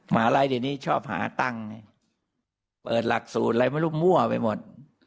มาลัยเดี๋ยวนี้ชอบหาตังค์ไงเปิดหลักสูตรอะไรไม่รู้มั่วไปหมด